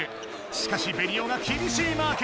しかしベニオがきびしいマーク！